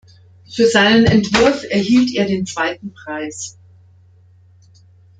Für seinen Entwurf erhielt er den zweiten Preis.